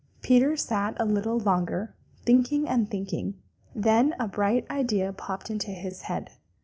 Peter sat a little longer, thinking and thinking. Then a bright idea popped into his head.